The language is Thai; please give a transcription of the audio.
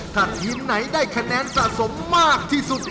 ท่านยุ่นไหนได้คะแนนสะสมมากที่สุด